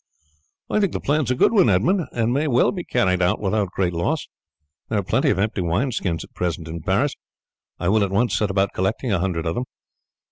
"I think the plan is a good one, Edmund, and may well be carried out without great loss. There are plenty of empty wine skins at present in Paris. I will at once set about collecting a hundred of them.